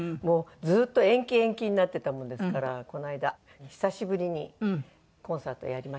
ずっと延期延期になってたものですからこの間久しぶりにコンサートをやりました。